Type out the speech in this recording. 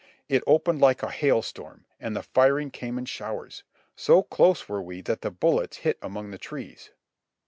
It opened like a hail storm, and the firing came in showers; so close were we that the bullets hit among the trees.